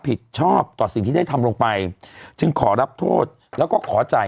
ผิดชอบต่อสิ่งที่ได้ทำลงไปจึงขอรับโทษแล้วก็ขอจ่าย